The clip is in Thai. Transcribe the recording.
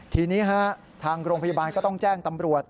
ทีนี้ทางโรงพยาบาลก็ต้องแจ้งตำรวจ